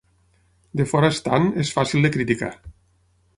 De fora estant és fàcil de criticar.